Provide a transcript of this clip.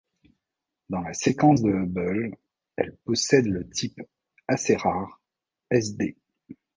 Dans la séquence de Hubble, elle possède le type, assez rare, Sd.